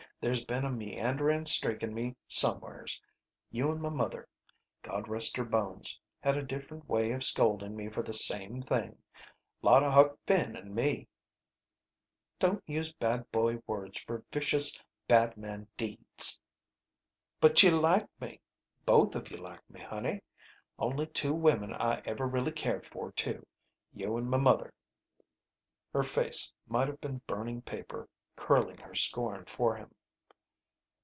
There's been a meanderin' streak in me somewheres. You and m' mother, God rest her bones, had a different way of scoldin' me for the same thing. Lot o' Huck Finn in me." "Don't use bad boy words for vicious, bad man deeds!" "But you liked me. Both of you liked me, honey. Only two women I ever really cared for, too. You and m' mother." Her face might have been burning paper, curling her scorn for him.